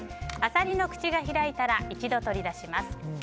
アサリの口が開いたら一度、取り出します。